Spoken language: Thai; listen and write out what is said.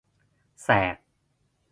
แสก